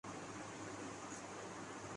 ہمارے دوست اعظم سواتی کو ہی لے لیں۔